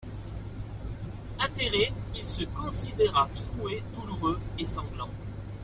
Atterré, il se considéra troué, douloureux et sanglant.